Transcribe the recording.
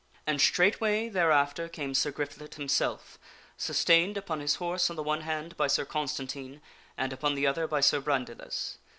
And straightway thereafter came Sir Griflet himself, sustained upon his horse on the one hand by Sir Constantine and upon the other by Sir Brandiles.